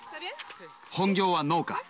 本業は農家。